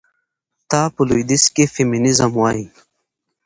ته په لوىديځ کې فيمينزم وايي.